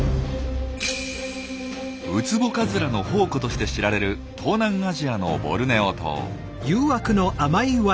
ウツボカズラの宝庫として知られる東南アジアのボルネオ島。